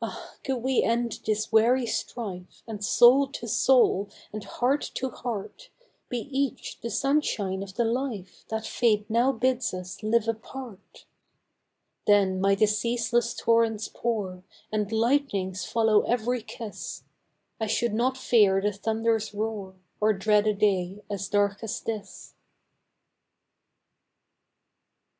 Ah ! could we end this weary strife And soul to soul, and heart to heart, Be each the sunshine of the life, That fate now bids us Hve apart, Then might the ceaseless torrents pour, And lightnings follow ev'ry kiss, I should not fear the thunder*s roar, Or dread a day as dark as this.